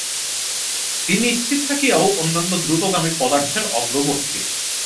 তিনি স্থির থাকিয়াও অন্যান্য দ্রুতগামী পদার্থের অগ্রবর্তী।